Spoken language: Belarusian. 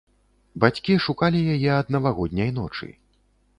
Бацькі шукалі яе ад навагодняй ночы.